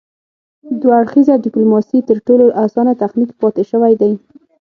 دوه اړخیزه ډیپلوماسي تر ټولو اسانه تخنیک پاتې شوی دی